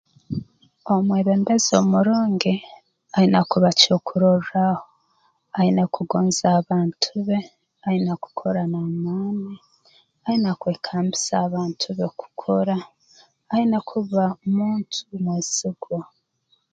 Omwebembezi omurungi aine kuba ky'okurorraaho aine kugonza abantu be aine kukora n'amaani aine kwekambisa abantu be kukora aine kuba muntu mwesigwa